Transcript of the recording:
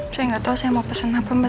saya gak tahu saya mau pesen apa mbak